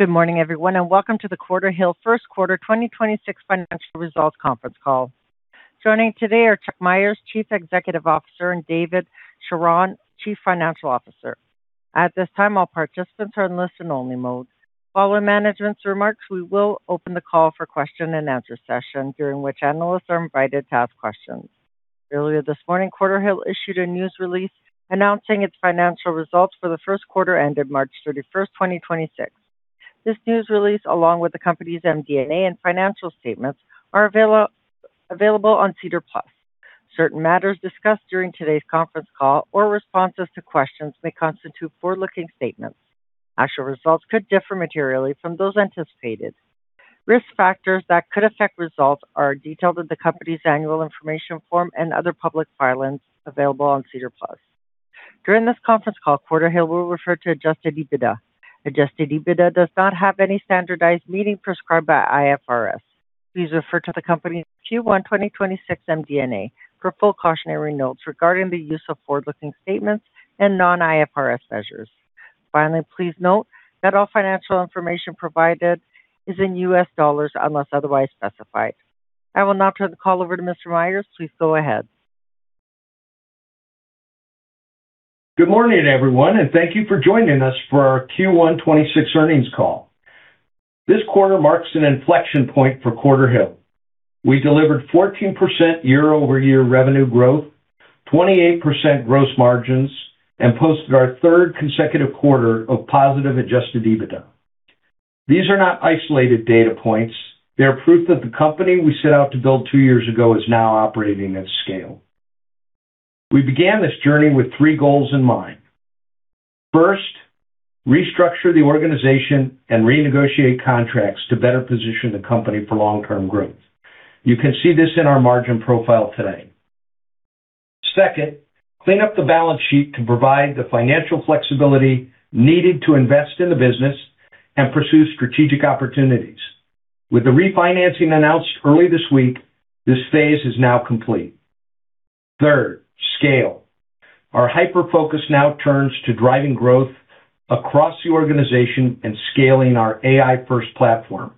Good morning, everyone, and welcome to the Quarterhill first quarter 2026 financial results conference call. Joining today are Chuck Myers, Chief Executive Officer, and David Charron, Chief Financial Officer. At this time, all participants are in listen-only mode. Following management's remarks, we will open the call for question and answer session, during which analysts are invited to ask questions. Earlier this morning, Quarterhill issued a news release announcing its financial results for the first quarter ended March 31st, 2026. This news release, along with the company's MD&A and financial statements, are available on SEDAR+. Certain matters discussed during today's conference call or responses to questions may constitute forward-looking statements. Actual results could differ materially from those anticipated. Risk factors that could affect results are detailed in the company's annual information form and other public filings available on SEDAR+. During this conference call, Quarterhill will refer to Adjusted EBITDA. Adjusted EBITDA does not have any standardized meaning prescribed by IFRS. Please refer to the company's Q1 2026 MD&A for full cautionary notes regarding the use of forward-looking statements and non-IFRS measures. Finally, please note that all financial information provided is in US dollars unless otherwise specified. I will now turn the call over to Mr. Myers. Please go ahead. Good morning, everyone, and thank you for joining us for our Q1 2026 earnings call. This quarter marks an inflection point for Quarterhill. We delivered 14% year-over-year revenue growth, 28% gross margins, and posted our third consecutive quarter of positive Adjusted EBITDA. These are not isolated data points. They are proof that the company we set out to build two years ago is now operating at scale. We began this journey with three goals in mind. First, restructure the organization and renegotiate contracts to better position the company for long-term growth. You can see this in our margin profile today. Second, clean up the balance sheet to provide the financial flexibility needed to invest in the business and pursue strategic opportunities. With the refinancing announced early this week, this phase is now complete. Third, scale. Our hyper-focus now turns to driving growth across the organization and scaling our AI-first platform.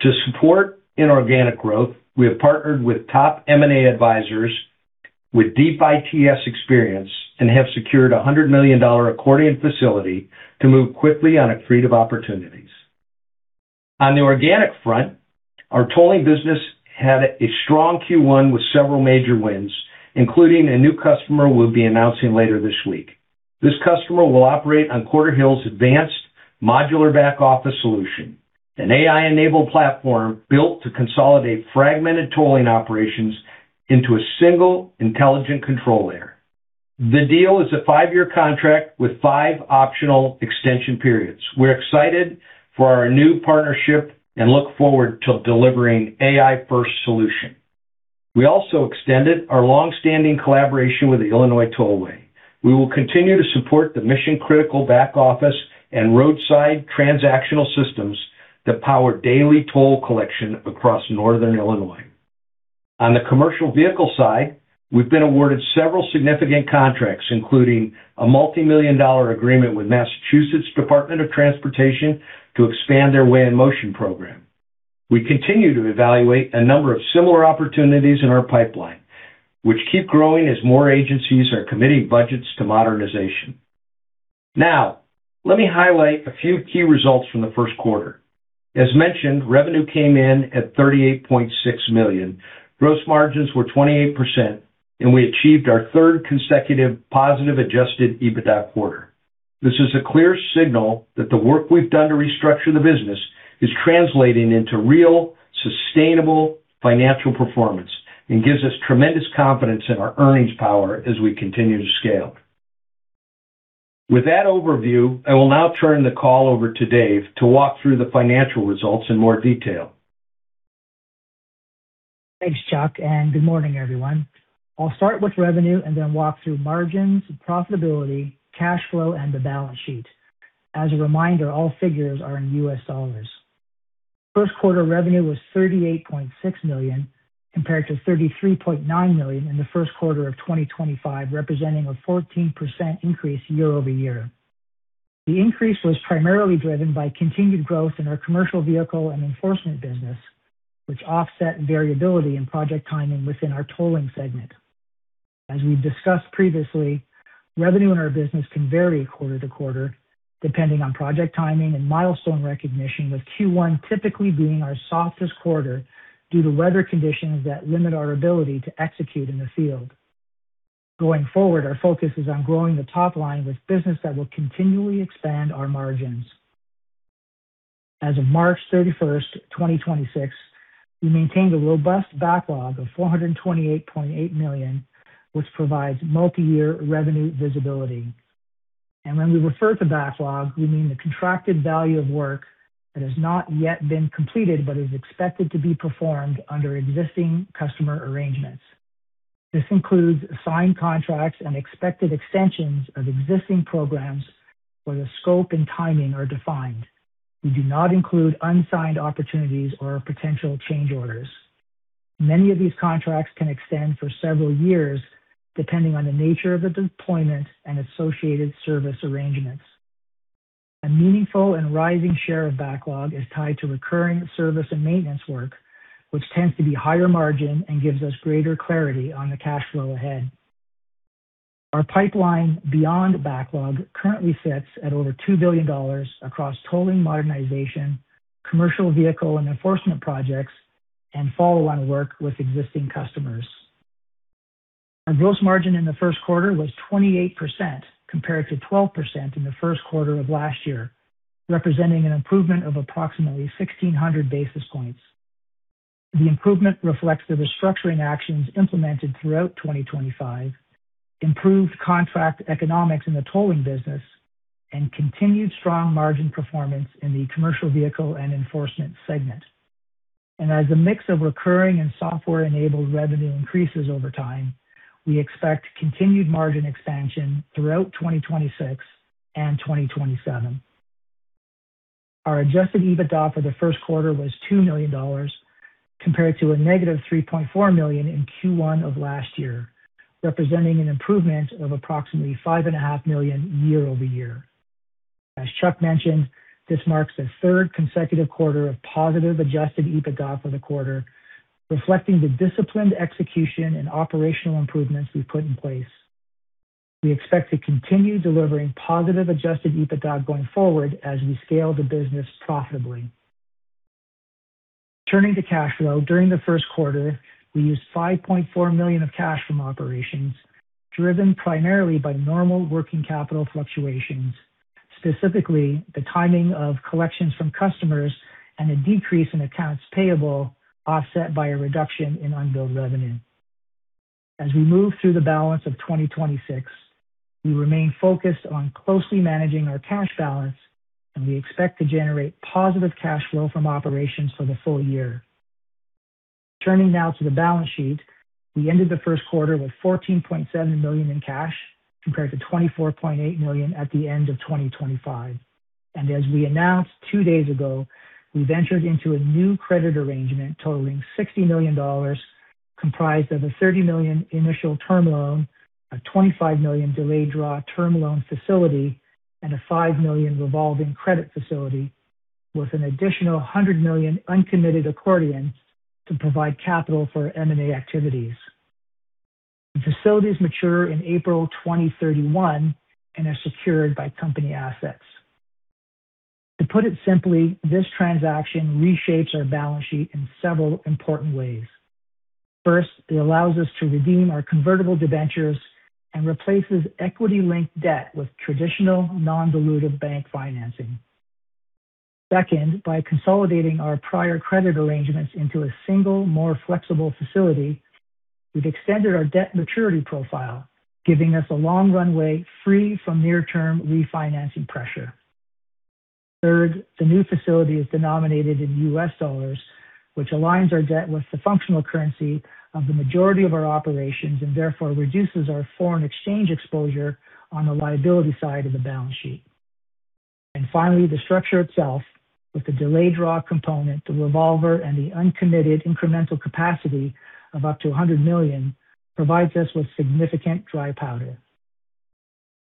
To support inorganic growth, we have partnered with top M&A advisors with deep ITS experience and have secured a $100 million accordion facility to move quickly on accretive opportunities. On the organic front, our tolling business had a strong Q1 with several major wins, including a new customer we'll be announcing later this week. This customer will operate on Quarterhill's advanced modular back-office solution, an AI-enabled platform built to consolidate fragmented tolling operations into a single intelligent controller. The deal is a five-year contract with five optional extension periods. We're excited for our new partnership and look forward to delivering AI-first solution. We also extended our long-standing collaboration with the Illinois Tollway. We will continue to support the mission-critical back-office and roadside transactional systems that power daily toll collection across northern Illinois. On the commercial vehicle side, we've been awarded several significant contracts, including a multi-million dollar agreement with Massachusetts Department of Transportation to expand their Weigh-In-Motion program. We continue to evaluate a number of similar opportunities in our pipeline, which keep growing as more agencies are committing budgets to modernization. Now, let me highlight a few key results from the first quarter. As mentioned, revenue came in at $38.6 million. Gross margins were 28%, we achieved our third consecutive positive Adjusted EBITDA quarter. This is a clear signal that the work we've done to restructure the business is translating into real, sustainable financial performance and gives us tremendous confidence in our earnings power as we continue to scale. With that overview, I will now turn the call over to Dave to walk through the financial results in more detail. Thanks, Chuck. Good morning, everyone. I'll start with revenue and then walk through margins, profitability, cash flow, and the balance sheet. As a reminder, all figures are in US dollars. First quarter revenue was $38.6 million, compared to $33.9 million in the first quarter of 2025, representing a 14% increase year-over-year. The increase was primarily driven by continued growth in our commercial vehicle and enforcement business, which offset variability in project timing within our tolling segment. As we've discussed previously, revenue in our business can vary quarter-to-quarter, depending on project timing and milestone recognition, with Q1 typically being our softest quarter due to weather conditions that limit our ability to execute in the field. Going forward, our focus is on growing the top line with business that will continually expand our margins. As of March 31st, 2026, we maintained a robust backlog of $428.8 million, which provides multiyear revenue visibility. When we refer to backlog, we mean the contracted value of work that has not yet been completed but is expected to be performed under existing customer arrangements. This includes signed contracts and expected extensions of existing programs where the scope and timing are defined. We do not include unsigned opportunities or potential change orders. Many of these contracts can extend for several years depending on the nature of the deployment and associated service arrangements. A meaningful and rising share of backlog is tied to recurring service and maintenance work, which tends to be higher margin and gives us greater clarity on the cash flow ahead. Our pipeline beyond backlog currently sits at over $2 billion across tolling modernization, commercial vehicle and enforcement projects, and follow-on work with existing customers. Our gross margin in the first quarter was 28% compared to 12% in the first quarter of last year, representing an improvement of approximately 1,600 basis points. The improvement reflects the restructuring actions implemented throughout 2025, improved contract economics in the tolling business, and continued strong margin performance in the commercial vehicle and enforcement segment. As a mix of recurring and software-enabled revenue increases over time, we expect continued margin expansion throughout 2026 and 2027. Our Adjusted EBITDA for the first quarter was $2 million compared to a -$3.4 million in Q1 of last year, representing an improvement of approximately $5.5 million year-over-year. As Chuck mentioned, this marks the third consecutive quarter of positive Adjusted EBITDA for the quarter, reflecting the disciplined execution and operational improvements we put in place. We expect to continue delivering positive Adjusted EBITDA going forward as we scale the business profitably. Turning to cash flow, during the first quarter, we used $5.4 million of cash from operations, driven primarily by normal working capital fluctuations, specifically the timing of collections from customers and a decrease in accounts payable offset by a reduction in unbilled revenue. As we move through the balance of 2026, we remain focused on closely managing our cash balance, and we expect to generate positive cash flow from operations for the full year. Turning now to the balance sheet, we ended the first quarter with $14.7 million in cash compared to $24.8 million at the end of 2025. As we announced two days ago, we ventured into a new credit arrangement totaling $60 million, comprised of a $30 million initial term loan, a $25 million delayed draw term loan facility, and a $5 million revolving credit facility, with an additional $100 million uncommitted accordion to provide capital for M&A activities. The facilities mature in April 2031 and are secured by company assets. To put it simply, this transaction reshapes our balance sheet in several important ways. First, it allows us to redeem our convertible debentures and replaces equity-linked debt with traditional non-dilutive bank financing. Second, by consolidating our prior credit arrangements into a single, more flexible facility, we've extended our debt maturity profile, giving us a long runway free from near-term refinancing pressure. Third, the new facility is denominated in US dollars, which aligns our debt with the functional currency of the majority of our operations and therefore reduces our foreign exchange exposure on the liability side of the balance sheet. Finally, the structure itself, with the delayed draw component, the revolver, and the uncommitted incremental capacity of up to $100 million, provides us with significant dry powder.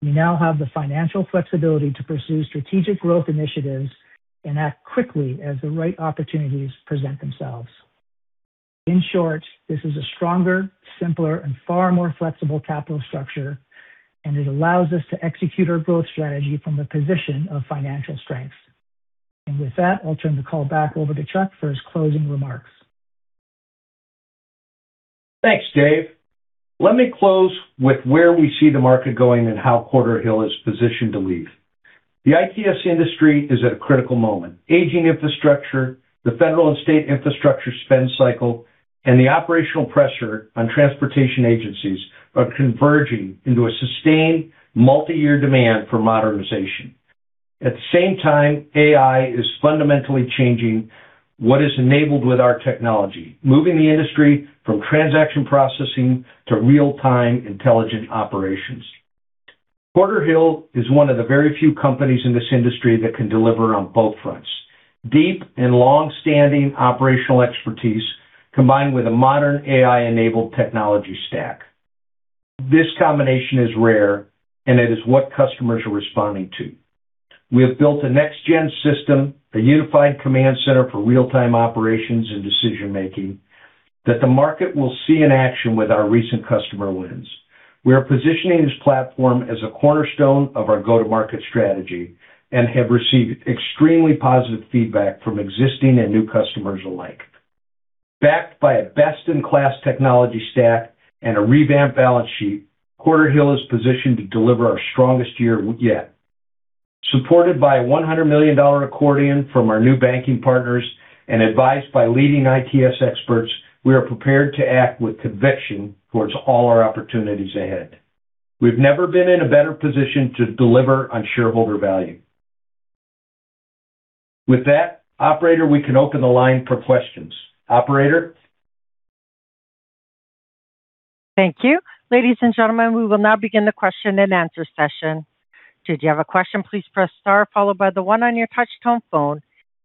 We now have the financial flexibility to pursue strategic growth initiatives and act quickly as the right opportunities present themselves. In short, this is a stronger, simpler, and far more flexible capital structure, and it allows us to execute our growth strategy from a position of financial strength. With that, I'll turn the call back over to Chuck for his closing remarks. Thanks, Dave. Let me close with where we see the market going and how Quarterhill is positioned to lead. The ITS industry is at a critical moment. Aging infrastructure, the federal and state infrastructure spend cycle, and the operational pressure on transportation agencies are converging into a sustained multi-year demand for modernization. At the same time, AI is fundamentally changing what is enabled with our technology, moving the industry from transaction processing to real-time intelligent operations. Quarterhill is one of the very few companies in this industry that can deliver on both fronts, deep and long-standing operational expertise combined with a modern AI-enabled technology stack. This combination is rare, and it is what customers are responding to. We have built a next-gen system, a unified command center for real-time operations and decision-making, that the market will see in action with our recent customer wins. We are positioning this platform as a cornerstone of our go-to-market strategy and have received extremely positive feedback from existing and new customers alike. Backed by a best-in-class technology stack and a revamped balance sheet, Quarterhill is positioned to deliver our strongest year yet. Supported by a $100 million accordion from our new banking partners and advised by leading ITS experts, we are prepared to act with conviction towards all our opportunities ahead. We've never been in a better position to deliver on shareholder value. With that, operator, we can open the line for questions. Operator? Thank you. Ladies and gentlemen, we will now begin the question and answer session. Should you have a question, please press star followed by the one on your touchtone phone.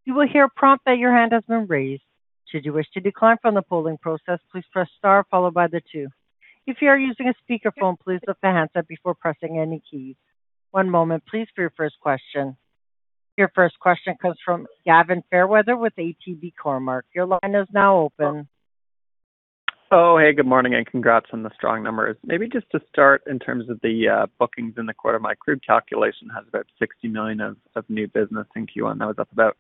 You will hear a prompt that your hand has been raised. Should you wish to decline from the polling process, please press star followed by the two. If you are using a speakerphone, please lift the handset before pressing any keys. One moment please for your first question. Your first question comes from Gavin Fairweather with ATB Cormark. Your line is now open. Oh, hey, good morning, and congrats on the strong numbers. Maybe just to start in terms of the bookings in the quarter, my crude calculation has about $60 million of new business in Q1. That was up about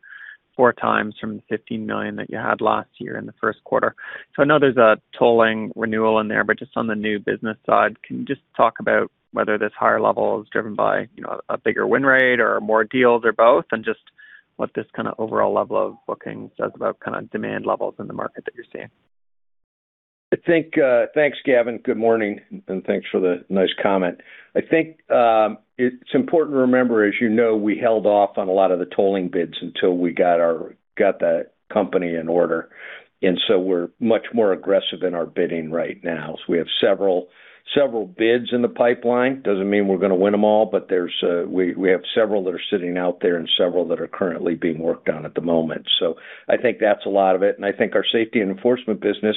4x from the $15 million that you had last year in the first quarter. I know there's a tolling renewal in there, but just on the new business side, can you just talk about whether this higher level is driven by, you know, a bigger win rate or more deals or both? Just what this kind of overall level of bookings says about kind of demand levels in the market that you're seeing? Thanks, Gavin. Good morning, and thanks for the nice comment. I think it's important to remember, as you know, we held off on a lot of the tolling bids until we got the company in order. We're much more aggressive in our bidding right now. We have several bids in the pipeline. Doesn't mean we're gonna win them all, but there's we have several that are sitting out there and several that are currently being worked on at the moment. I think that's a lot of it. I think our safety and enforcement business,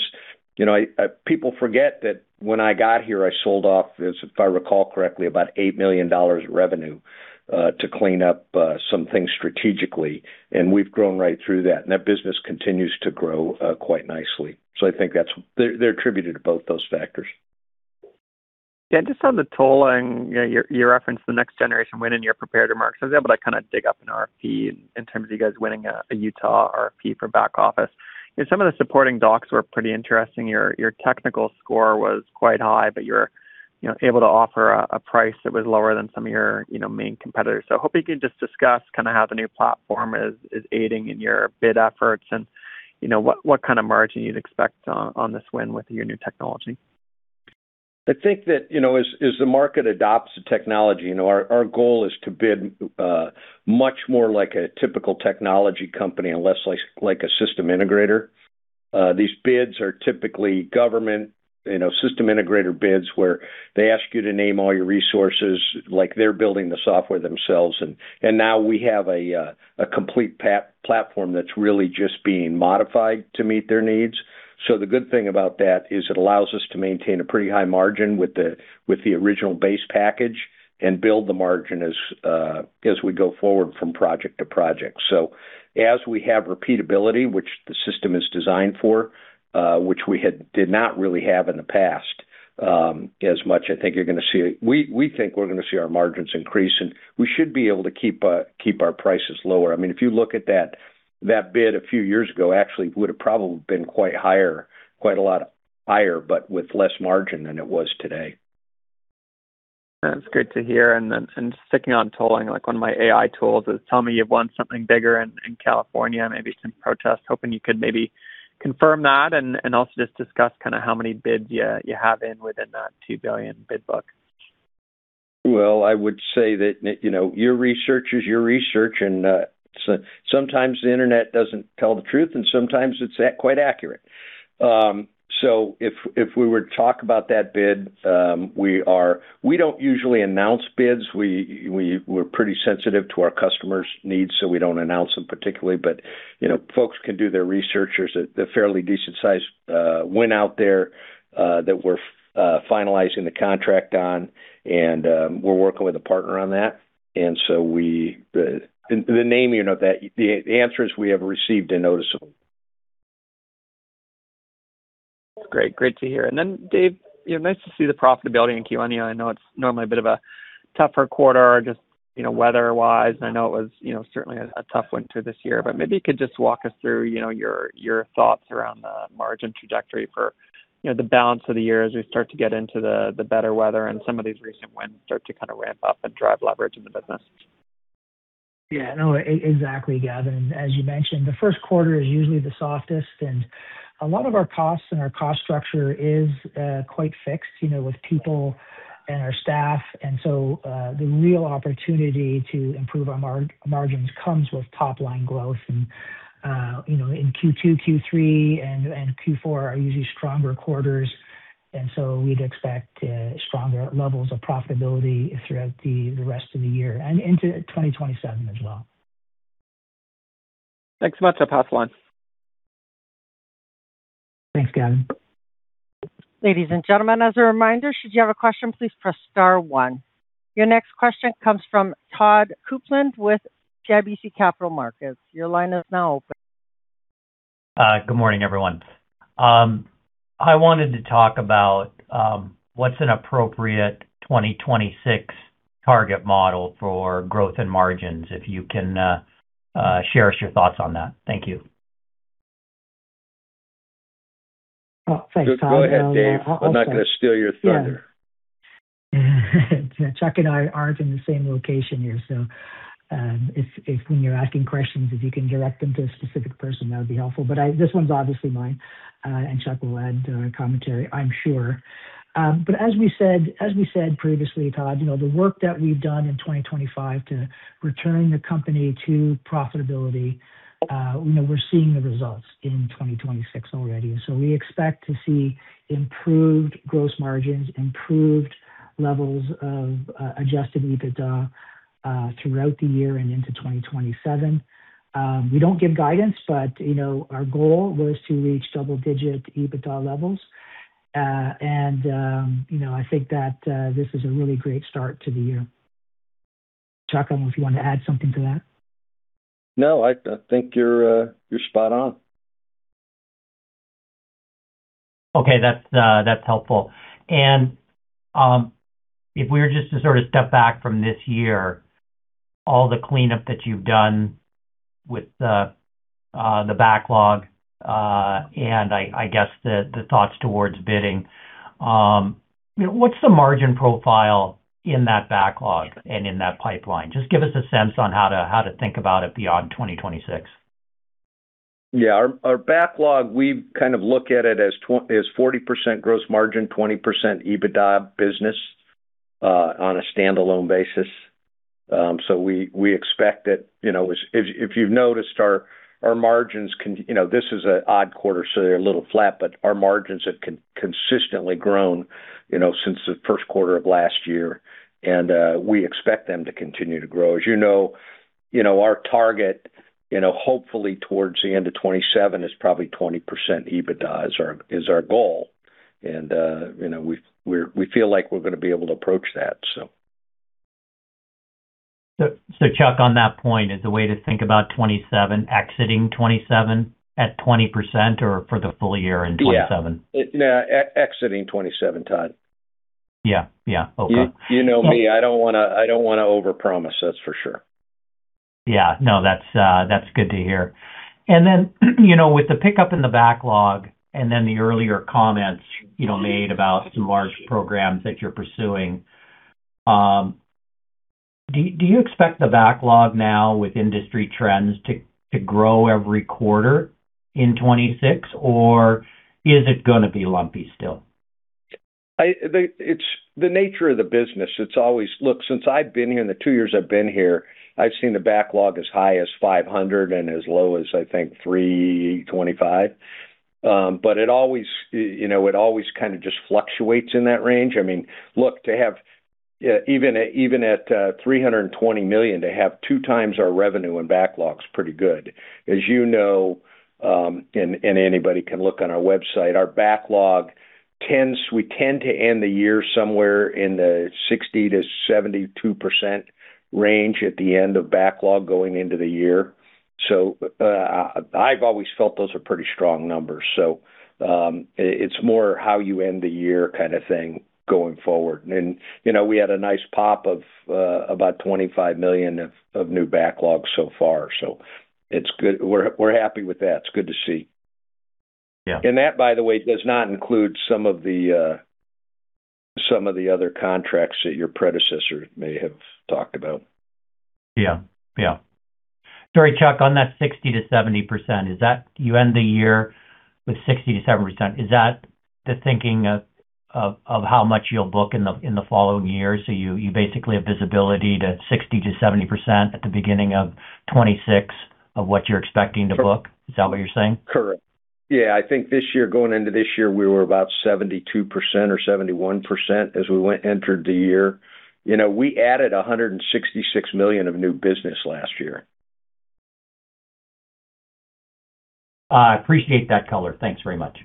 you know, people forget that when I got here, I sold off, as if I recall correctly, about $8 million revenue to clean up some things strategically, and we've grown right through that. That business continues to grow, quite nicely. I think they're attributed to both those factors. Yeah. Just on the tolling, you know, you referenced the next generation win in your prepared remarks. I was able to kind of dig up an RFP in terms of you guys winning a Utah RFP for back office. Some of the supporting docs were pretty interesting. Your technical score was quite high, you're, you know, able to offer a price that was lower than some of your, you know, main competitors. Hoping you could just discuss kind of how the new platform is aiding in your bid efforts and, you know, what kind of margin you'd expect on this win with your new technology. I think that, you know, as the market adopts the technology, you know, our goal is to bid much more like a typical technology company and less like a system integrator. These bids are typically government, you know, system integrator bids, where they ask you to name all your resources, like they're building the software themselves. Now we have a complete platform that's really just being modified to meet their needs. The good thing about that is it allows us to maintain a pretty high margin with the original base package and build the margin as we go forward from project to project. As we have repeatability, which the system is designed for, which we did not really have in the past, as much, We think we're gonna see our margins increase, and we should be able to keep our prices lower. I mean, if you look at that bid a few years ago actually would have probably been quite higher, quite a lot higher, but with less margin than it was today. That's good to hear. Sticking on tolling, like one of my AI tools is telling me you've won something bigger in California, maybe some protests. Hoping you could maybe confirm that and also just discuss kind of how many bids you have in within that $2 billion bid book? Well, I would say that, you know, your research is your research, and sometimes the Internet doesn't tell the truth, and sometimes it's quite accurate. If, if we were to talk about that bid, we don't usually announce bids. We're pretty sensitive to our customers' needs, so we don't announce them particularly. You know, folks can do their research. There's a fairly decent size win out there that we're finalizing the contract on and we're working with a partner on that. The answer is we have received a noticeable. Great. Great to hear. Then Dave, you know, nice to see the profitability in Q1. You know, I know it's normally a bit of a tougher quarter just, you know, weather-wise. I know it was, you know, certainly a tough winter this year. Maybe you could just walk us through, you know, your thoughts around the margin trajectory for, you know, the balance of the year as we start to get into the better weather and some of these recent wins start to kind of ramp up and drive leverage in the business. Exactly, Gavin. As you mentioned, the first quarter is usually the softest, a lot of our costs and our cost structure is quite fixed, you know, with people and our staff. The real opportunity to improve our margins comes with top-line growth. You know, in Q2, Q3, and Q4 are usually stronger quarters. We'd expect stronger levels of profitability throughout the rest of the year and into 2027 as well. Thanks so much. I'll pass the line. Thanks, Gavin. Ladies and gentleman as a reminder should you have a question, please press star one. Your next question comes from Todd Coupland with CIBC Capital Markets. Good morning, everyone. I wanted to talk about what's an appropriate 2026 target model for growth and margins, if you can share us your thoughts on that. Thank you. Well, thanks, Todd. Go ahead, Dave. I'm not gonna steal your thunder. Yeah. Chuck and I aren't in the same location here, so if when you're asking questions, if you can direct them to a specific person, that would be helpful. This one's obviously mine. Chuck will add commentary, I'm sure. As we said previously, Todd, you know, the work that we've done in 2025 to returning the company to profitability, you know, we're seeing the results in 2026 already. We expect to see improved gross margins, improved levels of Adjusted EBITDA throughout the year and into 2027. We don't give guidance, but, you know, our goal was to reach double-digit EBITDA levels. You know, I think that this is a really great start to the year. Chuck, I don't know if you want to add something to that. No, I think you're spot on. Okay. That's, that's helpful. If we were just to sort of step back from this year, all the cleanup that you've done with the backlog, and I guess the thoughts towards bidding. You know, what's the margin profile in that backlog and in that pipeline? Just give us a sense on how to think about it beyond 2026. Yeah. Our backlog, we kind of look at it as 40% gross margin, 20% EBITDA business on a standalone basis. We expect it. You know, if you've noticed our margins. You know, this is an odd quarter, so they're a little flat, but our margins have consistently grown, you know, since the first quarter of last year. We expect them to continue to grow. As you know, our target, you know, hopefully towards the end of 2027 is probably 20% EBITDA is our goal. You know, we feel like we're gonna be able to approach that. Chuck, on that point, is the way to think about 2027, exiting 2027 at 20% or for the full year in 2027? Yeah. No, exiting 2027, Todd. Yeah. Yeah. Okay. You, you know me, I don't wanna overpromise. That's for sure. Yeah. No, that's good to hear. You know, with the pickup in the backlog and then the earlier comments, you know, made about some large programs that you're pursuing, do you expect the backlog now with industry trends to grow every quarter in 2026, or is it gonna be lumpy still? It's the nature of the business. It's always Look, since I've been here, in the two years I've been here, I've seen the backlog as high as $500 million and as low as, I think, $325 million. It always, you know, it always kind of just fluctuates in that range. I mean, look, to have, even at, even at, $320 million, to have 2x our revenue in backlog's pretty good. As you know, and anybody can look on our website, we tend to end the year somewhere in the 60%-72% range at the end of backlog going into the year. I've always felt those are pretty strong numbers. It's more how you end the year kind of thing going forward. You know, we had a nice pop of about $25 million of new backlog so far, so it’s good. We’re happy with that. It’s good to see. Yeah. That, by the way, does not include some of the other contracts that your predecessor may have talked about. Yeah. Yeah. Sorry, Chuck, on that 60%-70%, is that you end the year with 60%-70%, is that the thinking of how much you'll book in the following year? You basically have visibility to 60%-70% at the beginning of 2026 of what you're expecting to book? Is that what you're saying? Correct. Yeah. I think this year, going into this year, we were about 72% or 71% entered the year. You know, we added $166 million of new business last year. I appreciate that color. Thanks very much.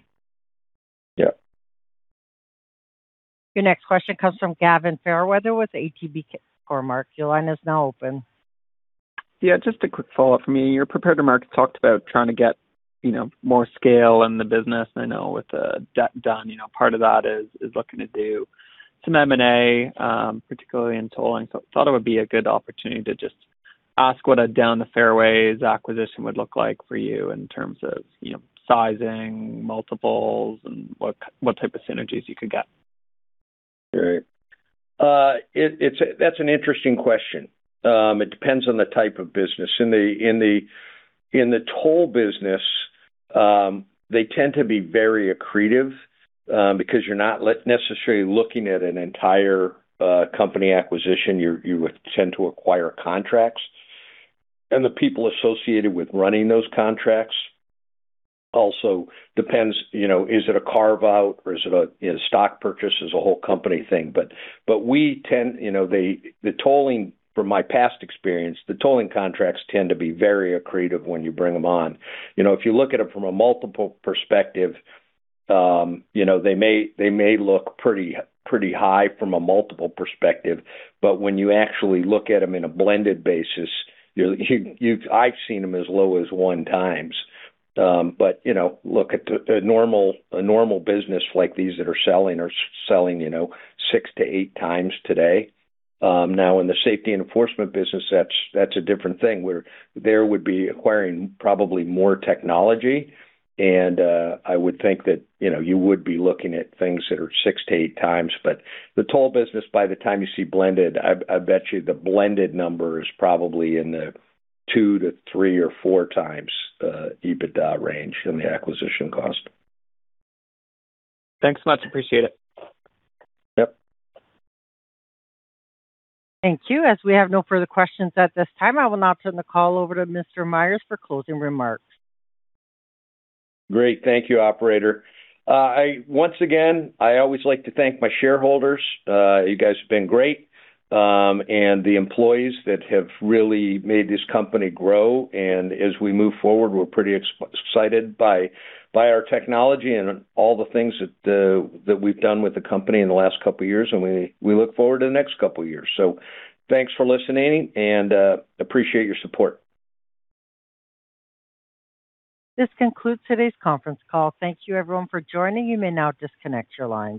Yeah. Your next question comes from Gavin Fairweather with ATB Cormark. Your line is now open. Yeah, just a quick follow-up from me. Your prepared remarks talked about trying to get, you know, more scale in the business. I know with the debt done, you know, part of that is looking to do some M&A, particularly in tolling. Thought it would be a good opportunity to just ask what a down the fairways acquisition would look like for you in terms of, you know, sizing, multiples, and what type of synergies you could get. Right. That's an interesting question. It depends on the type of business. In the toll business, they tend to be very accretive because you're not necessarily looking at an entire company acquisition. You would tend to acquire contracts. The people associated with running those contracts also depends, you know, is it a carve-out or is it a, you know, stock purchase is a whole company thing. You know, the tolling from my past experience, the tolling contracts tend to be very accretive when you bring them on. You know, if you look at it from a multiple perspective, you know, they may look pretty high from a multiple perspective, but when you actually look at them in a blended basis, I've seen them as low as 1x. You know, look at the, a normal business like these that are selling, you know, 6x-8x today. Now in the safety and enforcement business, that's a different thing, where there would be acquiring probably more technology and, I would think that, you know, you would be looking at things that are 6x-8x. The toll business, by the time you see blended, I bet you the blended number is probably in the 2x-3x or 4x EBITDA range than the acquisition cost. Thanks so much. Appreciate it. Yep. Thank you. As we have no further questions at this time, I will now turn the call over to Mr. Myers for closing remarks. Great. Thank you, operator. Once again, I always like to thank my shareholders. You guys have been great. The employees that have really made this company grow. As we move forward, we're pretty excited by our technology and all the things that we've done with the company in the last couple of years, and we look forward to the next couple of years. Thanks for listening and appreciate your support. This concludes today's conference call. Thank you everyone for joining. You may now disconnect your lines.